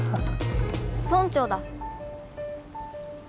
村長だ